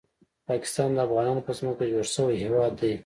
پاکستان د افغانانو په ځمکه جوړ شوی هیواد دی